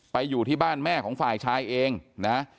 อยู่ที่บ้านแม่ของฝ่ายชายเองนะ